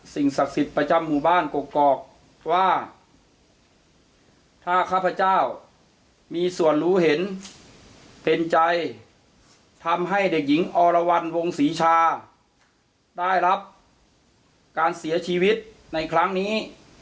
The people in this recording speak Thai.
สิ่งอรวรรณวงศรีชาได้รับการเสียชีวิตในครั้งนี้